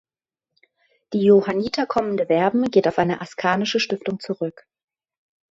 Die Johanniterkommende Werben geht auf eine askanische Stiftung zurück.